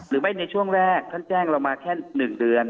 ในช่วงแรกท่านแจ้งเรามาแค่๑เดือน